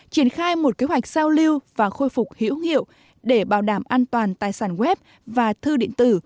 triển khai một kế hoạch giao lưu và khôi phục hữu hiệu để bảo đảm an toàn tài sản web và thư điện tử